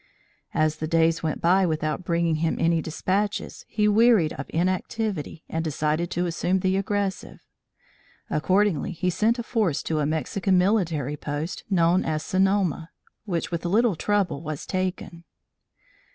As the days went by without bringing him any despatches, he wearied of inactivity and decided to assume the aggressive. Accordingly he sent a force to a Mexican military post known as Sonoma, which with little trouble was taken.